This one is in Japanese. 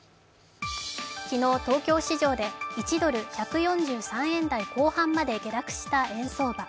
昨日、東京市場で１ドル＝１４３円台後半まで下落した円相場。